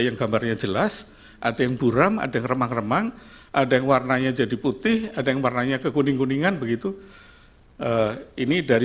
yang semang ada yang warnanya jadi putih ada yang warnanya kekuning kuningan begitu ini dari